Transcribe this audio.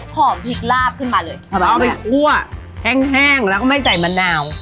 หอมผีกราบขึ้นมาเลยบอะไรละเอาไปปล้วงแห้งแล้วก็ไม่ใส่มะนาว